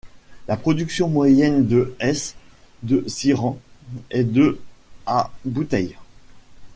La production moyenne de S de Siran est de à bouteilles.